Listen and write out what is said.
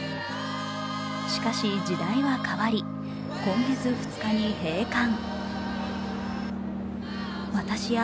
しかし、時代は変わり、今月２日に閉館。